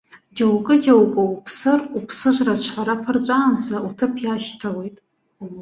Џьоукы-џьоукы уԥсыр, уԥсыжра аҿҳәара ԥырҵәаанӡа уҭыԥ иашьҭалоит.